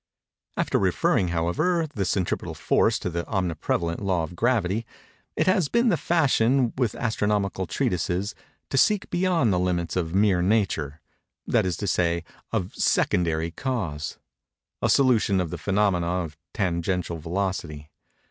After referring, however, the centripetal force to the omniprevalent law of Gravity, it has been the fashion with astronomical treatises, to seek beyond the limits of mere Nature—that is to say, of Secondary Cause—a solution of the phænomenon of tangential velocity.